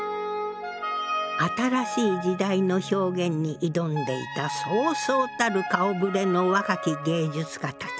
新しい時代の表現に挑んでいたそうそうたる顔ぶれの若き芸術家たち。